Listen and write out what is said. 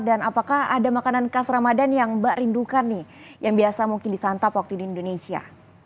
dan apakah ada makanan khas ramadan yang mbak rindukan nih yang biasa mungkin disantap waktu di indonesia